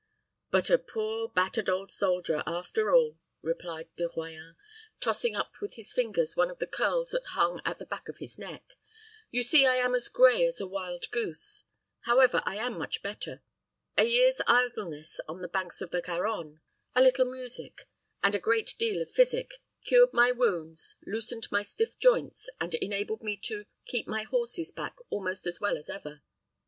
"But a poor, battered old soldier, after all," replied De Royans, tossing up with his fingers one of the curls that hung at the back of his neck. "You see I am as gray as a wild goose. However, I am much better. A year's idleness on the banks of the Garonne, a little music, and a great deal of physic, cured my wounds, loosened my stiff joints, and enabled me to keep my horses back almost as well as ever.